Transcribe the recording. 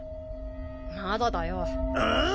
まだだよ。あぁ！？